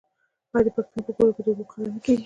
آیا د پښتنو په کلتور کې د اوبو قدر نه کیږي؟